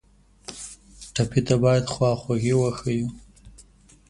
ټپي ته باید خواخوږي وښیو.